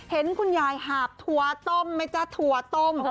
เห็นคุณยายหาบถั่วต้มไหมจ๊ะถั่วต้ม